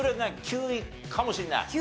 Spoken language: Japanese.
９位かもしれない？